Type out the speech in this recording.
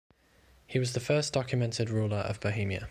He was the first documented ruler of Bohemia.